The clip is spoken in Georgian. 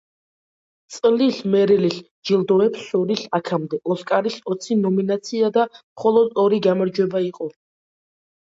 წლის მერილის ჯილდოებს შორის აქამდე „ოსკარის“ ოცი ნომინაცია და მხოლოდ ორი გამარჯვება იყო.